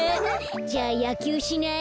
じゃあやきゅうしない？